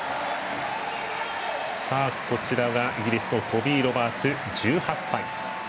こちらが、イギリスのトビー・ロバーツ、１８歳。